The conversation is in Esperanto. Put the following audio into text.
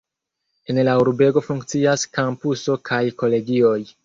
En la urbego funkcias kampuso kaj kolegioj.